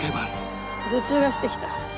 頭痛がしてきた。